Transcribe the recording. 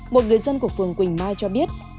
một người dân của phường quỳnh mai cho biết